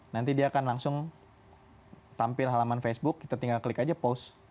nanti dia akan langsung tampil halaman facebook kita tinggal klik aja post